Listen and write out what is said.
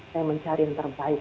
saya mencari yang terbaik